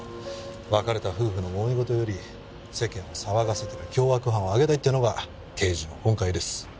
別れた夫婦の揉め事より世間を騒がせている凶悪犯を挙げたいっていうのが刑事の本懐です。